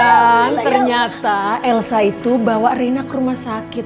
dan ternyata elsa itu bawa rena ke rumah sakit